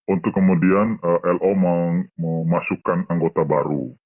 untuk kemudian lo mau memasukkan anggota baru